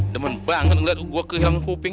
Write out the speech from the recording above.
demen banget ngeliat gue kehilangan kuping